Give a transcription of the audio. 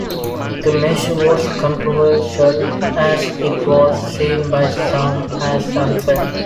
The measure was controversial as it was seen by some as unfair.